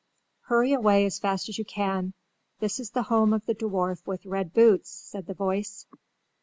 "Hurry away as fast as you can. This is the home of the dwarf with red boots," said the voice.